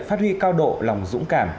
phát huy cao độ lòng dũng cảm